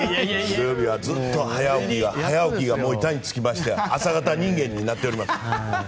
土曜日はずっと早起きが板につきまして朝型人間になっております。